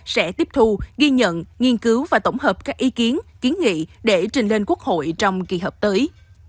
sẽ tiếp thu ghi nhận nghiên cứu và tổng hợp các ý kiến kiến nghị để trình lên quốc hội trong kỳ hợp tới